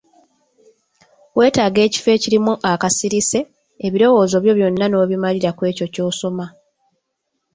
Weetaaga ekifo ekirimu akasirise, ebirowoozo byo byonna n'obimalira kw'ekyo ky'osoma.